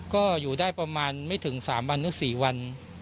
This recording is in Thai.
ก็อยู่ได้ประมาณไม่ถึง๓๔วัน